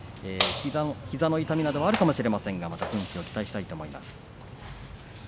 膝の痛みなどもあるかもしれませんけども奮起を期待したいと思います。